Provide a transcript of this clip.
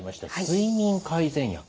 睡眠改善薬。